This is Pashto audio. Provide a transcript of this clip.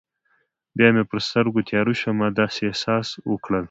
بیا مې پر سترګو تیاره شوه، ما داسې احساس وکړل.